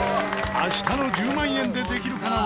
明日の『１０万円でできるかな』は。